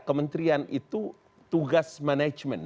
kementerian itu tugas manajemen